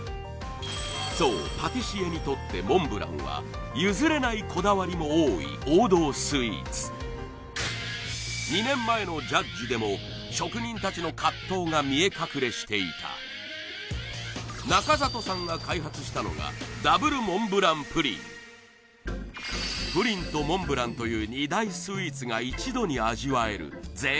そうパティシエにとってモンブランは譲れないこだわりも多い王道スイーツ２年前のジャッジでも職人達の葛藤が見え隠れしていた中里さんが開発したのがＷモンブランプリンプリンとモンブランという贅沢な商品